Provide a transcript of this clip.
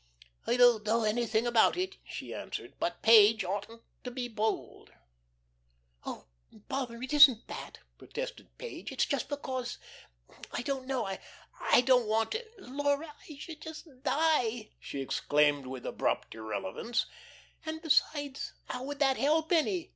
"I don't know anything about it," she answered. "But Page oughtn't to be bold." "Oh, bother; it isn't that," protested Page. "But it's just because I don't know, I don't want to Laura, I should just die," she exclaimed with abrupt irrelevance, "and besides, how would that help any?"